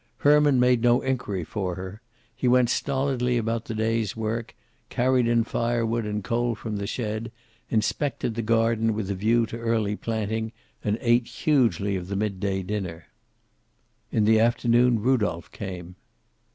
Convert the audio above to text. Herman made no inquiry for her. He went stolidly about the day's work, carried in firewood and coal from the shed, inspected the garden with a view to early planting, and ate hugely of the mid day dinner. In the afternoon Rudolph came.